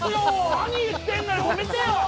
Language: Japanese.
何言ってんのよ止めてよ！